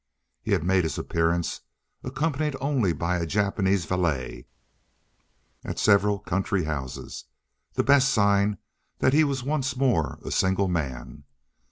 He had made his appearance, accompanied only by a Japanese valet, at several country houses, the best sign that he was once more a single man.